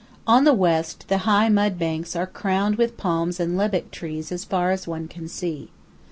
On the west the high mud banks are crowned with palms and lebbek trees as far as one can see.